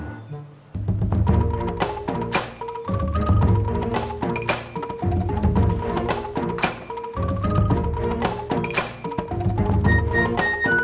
kita selalu di behindorm